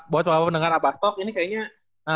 buat siapa pendengar rapastok ini kayaknya